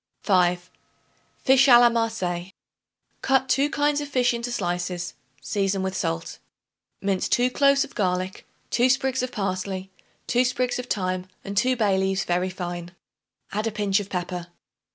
5. Fish a la Marseilles. Cut two kinds of fish into slices; season with salt. Mince 2 cloves of garlic, 2 sprigs of parsley, 2 sprigs of thyme and 2 bay leaves very fine. Add a pinch of pepper.